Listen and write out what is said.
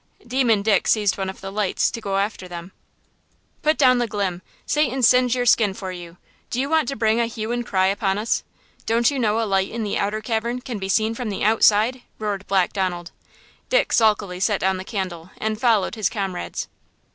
Demon Dick seized one of the lights to go after them. "Put down the glim! Satan singe your skin for you! Do you want to bring a hue and cry upon us? Don't you know a light in the outer cavern can be seen from the outside?" roared Black Donald. Dick sulkily set down the candle and followed his comrades.